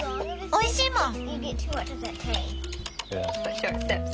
おいしいもん。